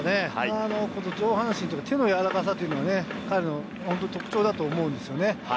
やっぱり高校時代から上半身とか手の柔らかさっていうのが彼の特徴だと思うんですよね。